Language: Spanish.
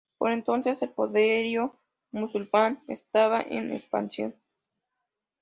Por entonces el poderío musulmán estaba en expansión.